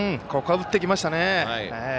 ここは打ってきましたね。